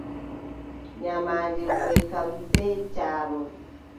Nyamaande buʼe kam, sey caarol.